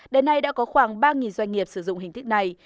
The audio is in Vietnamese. đến nay đã có khoảng ba doanh nghiệp sử dụng hình thức này